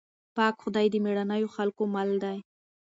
پاک خدای د مېړنيو خلکو مل دی.